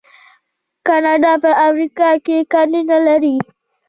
کاناډا په افریقا کې کانونه لري.